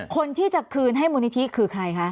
คนที่จะคืนให้มูลนิธิคือใครคะ